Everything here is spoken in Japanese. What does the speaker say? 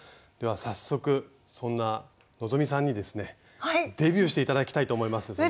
では早速そんな希さんにですねデビューして頂きたいと思います！